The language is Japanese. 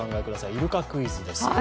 イルカクイズです。